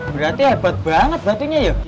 berarti hebat banget batunya ya